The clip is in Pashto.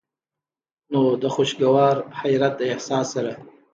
نو د خوشګوار حېرت د احساس سره